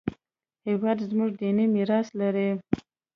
هېواد زموږ دیني میراث لري